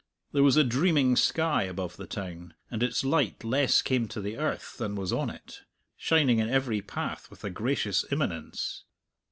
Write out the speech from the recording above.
There was a dreaming sky above the town, and its light less came to the earth than was on it, shining in every path with a gracious immanence.